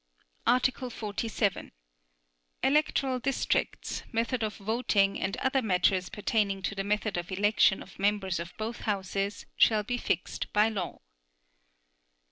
Article 47. Electoral districts, method of voting and other matters pertaining to the method of election of members of both Houses shall be fixed by law.